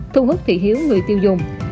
thu hút thị hiếu người tiêu dùng